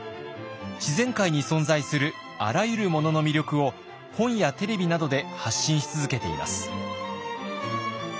自然界に存在するあらゆるものの魅力を本やテレビなどで発信し続けています。